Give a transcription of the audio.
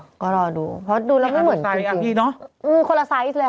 เออก็รอดูเพราะดูละมันเหมือนคุยคุย